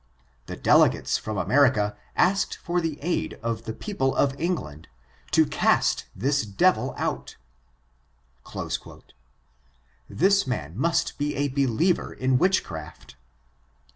The delegates from America asked for the aid of the people of England, to cast this devil out." This man must be a believer in witchcraft.